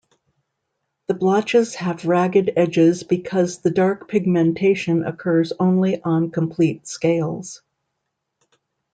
The blotches have ragged edges because the dark pigmentation occurs only on complete scales.